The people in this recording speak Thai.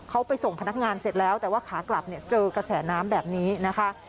เขาไปส่งพนักงานเสร็จแล้วแต่ว่าขากลับเนี่ยเจอกระแสน้ำแบบนี้นะคะ